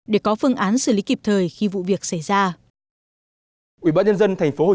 để có phương án xử lý kịp thời khi vụ việc xảy ra